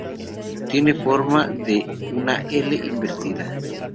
Tiene forma de una L invertida.